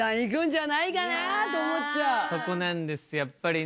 そこなんですやっぱりね。